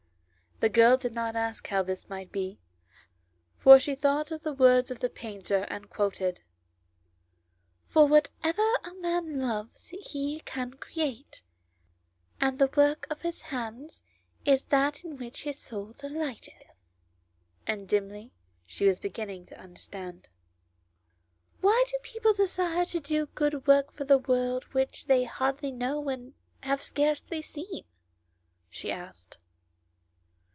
The girl did not ask how this might be, for she thought of the words the painter had quoted, " For whatever a man loves he can create, and the work of his hands is that in which his soul delighteth;" and dimly she was beginning to understand. " Why do people desire to do good work for the world which they hardly know and have scarcely seen?" she asked.